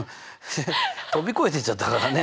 飛び越えていっちゃったからね。